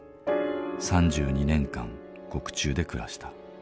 ３２年間獄中で暮らした。